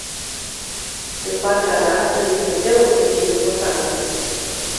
Dezbaterea de astăzi este deosebit de importantă.